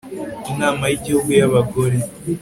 inama y'igihugu y'abagore